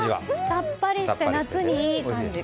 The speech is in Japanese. さっぱりしていて夏にいい感じで。